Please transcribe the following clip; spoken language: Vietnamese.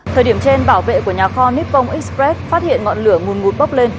thời điểm trên bảo vệ của nhà kho nippon express phát hiện ngọn lửa nguồn ngụt bốc lên